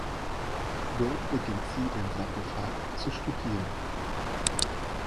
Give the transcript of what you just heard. Dort beginnt sie den Sarkophag zu studieren.